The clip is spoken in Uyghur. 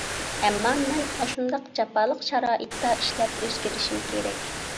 ئەمما مەن ئاشۇنداق جاپالىق شارائىتتا ئىشلەپ ئۆزگىرىشىم كېرەك.